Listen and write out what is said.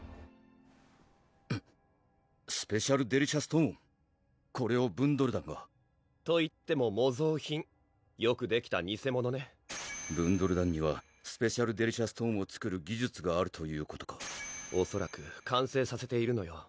トーンこれをブンドル団が？といっても模造品よくできた偽物ねブンドル団にはスペシャルデリシャストーンを作る技術があるということかおそらく完成させているのよ